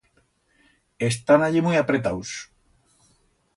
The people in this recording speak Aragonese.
Están allí muit apretaus.